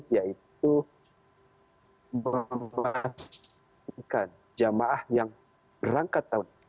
yaitu mempermasukan jamaah yang berangkat tahun ini